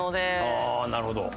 ああーなるほど。